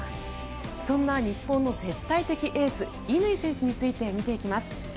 そんな日本の絶対的エース乾選手について見ていきます。